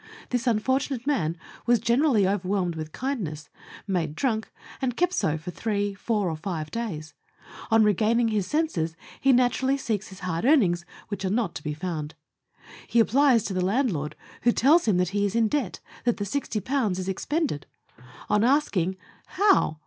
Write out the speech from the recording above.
This unfortunate man was generally overwhelmed with kindness, made drunk, and kept so for three, four, or five days ; on regaining his senses, he naturally seeks his hard earnings, which are not to be found ; he applies to the land lord, who tells him that he is in debt ; that the 60 is expended. On asking how " How